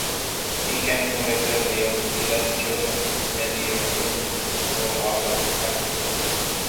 He came from a family of eleven children, many of whom were also talented.